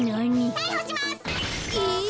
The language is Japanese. たいほします。え！